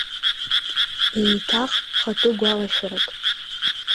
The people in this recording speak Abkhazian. Еиҭах хатәы гәалашәарак.